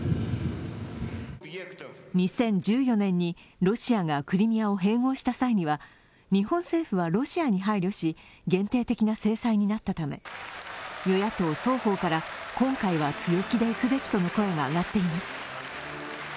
２０１４年にロシアがクリミアを併合した際には日本政府はロシアに配慮し、限定的な制裁になったため、与野党双方から今回は強気でいくべきとの声が上がっています。